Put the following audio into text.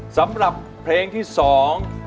สำหรับเพลงที่สอง